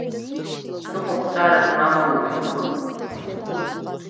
Ҵыхәаԥҵәара змам аусқәа…